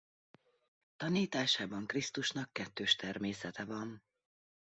Tanításában Krisztusnak kettős természete van.